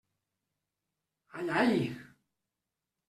Ai, ai!